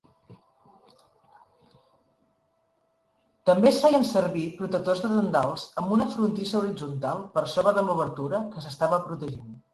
També es feien servir protectors de tendals amb una frontissa horitzontal per sobre de l'obertura que s'estava protegint.